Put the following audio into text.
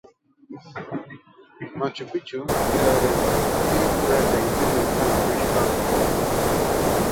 Machu Picchu, era berean, arkitektura eta ingeniaritza maisulantzat jotzen da.